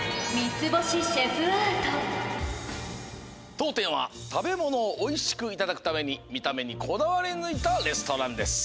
とうてんはたべものをおいしくいただくためにみためにこだわりぬいたレストランです。